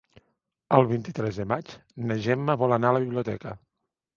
El vint-i-tres de maig na Gemma vol anar a la biblioteca.